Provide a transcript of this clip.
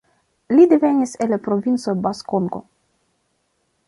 Li devenis el la Provinco Bas-Congo.